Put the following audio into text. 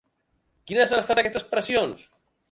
Quines han estat aquestes pressions?